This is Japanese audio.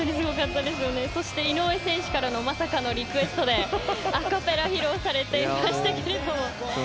そして、井上選手からのまさかのリクエストでアカペラを披露されてましたが。